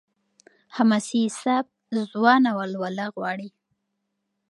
حماسي سبک ځوانه ولوله غواړي.